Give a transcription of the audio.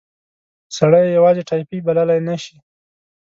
سړی یې یوازې ټایپي بللای نه شي.